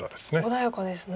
穏やかですね。